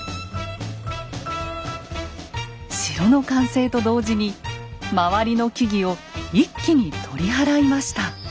城の完成と同時に周りの木々を一気に取り払いました。